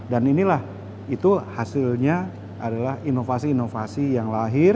dan inilah itu hasilnya adalah inovasi inovasi yang lahir dari bbbt